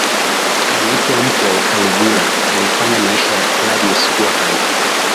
aliitwa mpwa wa Caligula alifanya maisha ya Claudius kuwa hai